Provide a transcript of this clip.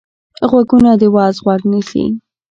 غوږونه د وعظ غوږ نیسي